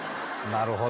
なるほど。